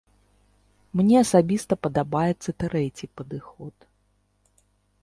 Мне асабіста падабаецца трэці падыход.